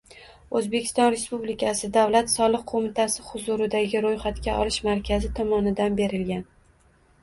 O‘zbekiston Respublikasi Davlat soliq qo‘mitasi huzuridagi ro‘yxatga olish markazi tomonidan berilgan